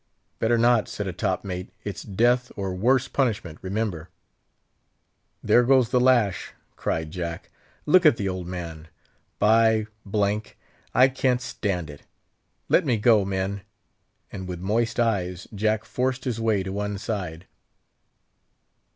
"Better not," said a top mate; "it's death, or worse punishment, remember." "There goes the lash!" cried Jack. "Look at the old man! By G— d, I can't stand it! Let me go, men!" and with moist eyes Jack forced his way to one side.